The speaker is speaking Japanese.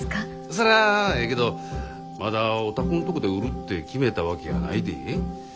そらええけどまだお宅んとこで売るって決めたわけやないで。